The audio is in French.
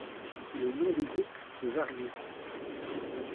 Le nom des groupes peut varier.